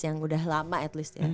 yang udah lama at least ya